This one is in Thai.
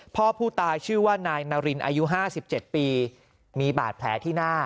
พ่อผู้ตายชื่อว่านายนารินอายุ๕๗ปีมีบาดแผลที่หน้า